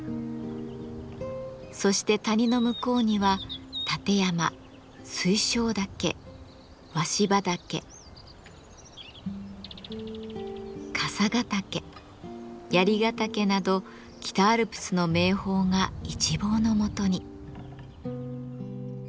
そして谷の向こうには立山水晶岳鷲羽岳笠ヶ岳槍ヶ岳など北アルプスの名峰が一望のもとに。